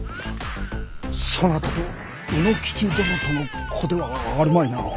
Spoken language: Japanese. そなたと卯之吉殿との子ではあるまいな？